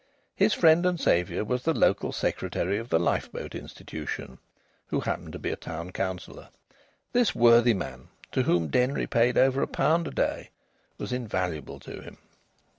His friend and saviour was the Local Secretary of the Lifeboat Institution, who happened to be a Town Councillor. This worthy man, to whom Denry paid over a pound a day, was invaluable to him.